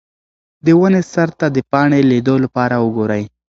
د ونې سر ته د پاڼې لیدو لپاره وګورئ.